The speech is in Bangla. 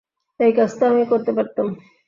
এই কাজ তো আমিই করতে পারতাম।